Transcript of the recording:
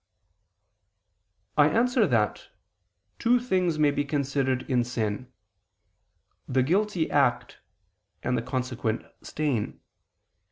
I answer that, Two things may be considered in sin: the guilty act, and the consequent stain.